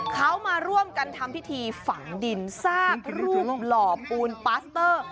เขามาร่วมกันทำพิธีฝังดินซากรูปหล่อปูนปาสเตอร์